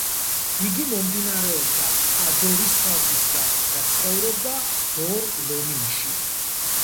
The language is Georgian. იგი მომდინარეობდა ჰადორის ხალხისგან და ცხოვრობდა დორ-ლომინში.